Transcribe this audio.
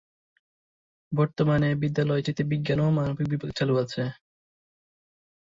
বর্তমানে বিদ্যালয়টিতে বিজ্ঞান ও মানবিক বিভাগ চালু আছে।